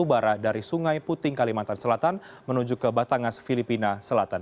pada saat ini penyanderaan menuju ke sungai puting kalimantan selatan menuju ke batangas filipina selatan